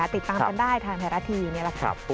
ติดตามเป็นได้ทางแทนราทีนี่แหละครับ